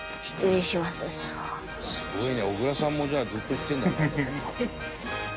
「すごいね。小倉さんもじゃあずっと行ってるんだ」